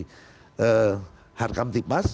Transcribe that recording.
kemudian harkam tipas